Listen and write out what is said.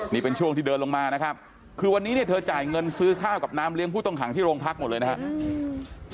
นี่เป็นช่วงที่เดินลงมานะครับคือวันนี้เนี่ยเธอจ่ายเงินซื้อข้าวกับน้ำเลี้ยงผู้ต้องขังที่โรงพักหมดเลยนะครับ